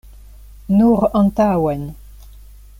Nur antaŭen.